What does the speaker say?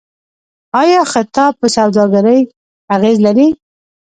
آیا سیاست په سوداګرۍ اغیز لري؟